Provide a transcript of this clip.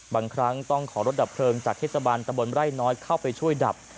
บางครั้งต้องขอรถดับเพลิงจากเทศบาลตะบนไร่น้อยเข้าไปช่วยดับ